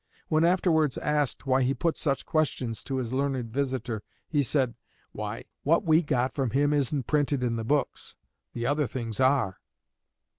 When afterwards asked why he put such questions to his learned visitor, he said, "Why, what we got from him isn't printed in the books; the other things are."